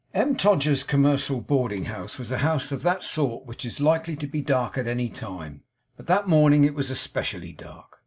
M. Todgers's Commercial Boarding House was a house of that sort which is likely to be dark at any time; but that morning it was especially dark.